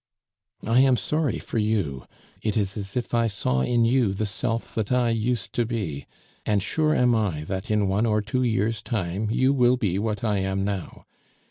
I am sorry for you. It is as if I saw in you the self that I used to be, and sure am I that in one or two years' time you will be what I am now.